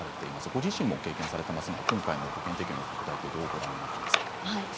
ご自身も経験されていますが今回の保険適用の拡大どうご覧になっていますか。